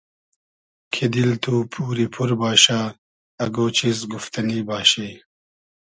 کی دیل تو پوری پور باشۂ اگۉ چیز گوفتئنی باشی